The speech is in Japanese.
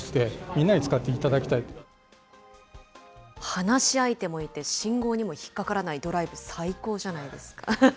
話し相手もいて、信号にも引っ掛からないドライブ、最高じゃないですか。